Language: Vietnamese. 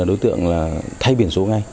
đối tượng thay biển số ngay